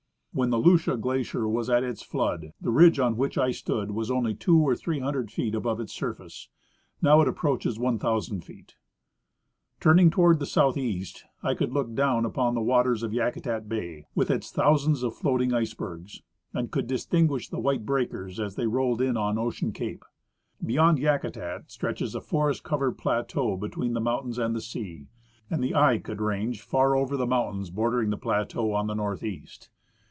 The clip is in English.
When the Lucia glacier was at its flood the ridge on which I stood was only 200 or 300 feet above its surface ; now it approaches 1,000 feet. Turning toward the southeast, I could look doAvn upon the waters of Yakutat bay, with its thousands of floating icebergs, and could distinguish the white breakers as they rolled in on Ocean cape. Beyond Yakutat stretches a forest covered plateau between the mountains and the sea, and the eye could range far over the mountains bordering this jjlateau on the northeast.